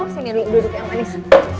sini dulu duduk yang manis